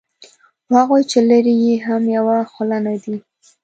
خو هغوی چې لري یې هم یوه خوله نه دي.